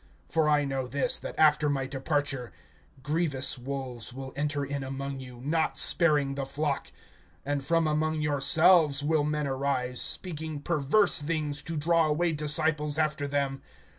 (29)For I know this, that after my departure grievous wolves will enter in among you, not sparing the flock. (30)And from among yourselves will men arise, speaking perverse things, to draw away disciples after them.